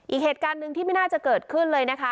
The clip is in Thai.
อีกเหตุการณ์หนึ่งที่ไม่น่าจะเกิดขึ้นเลยนะคะ